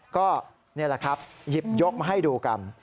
ก็นี่แหละครับหยิบยกมาให้ดูกัน